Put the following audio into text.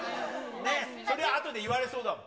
そりゃあとで言われそうだもん。